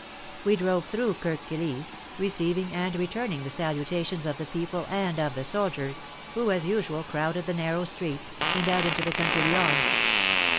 We drove through Kirk Kilisse, receiving and returning the saluta tions of the people and of the soldiers, who as usual crowded the narrow streets, and out into the country beyond.